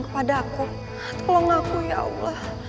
kepada aku tolong aku ya allah